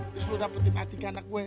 terus lo dapetin adhika anak gue